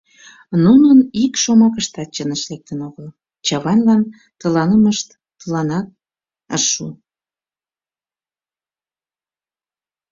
Нунын ик шомакыштат чыныш лектын огыл, Чавайнлан тыланымышт тыланалт ыш шу.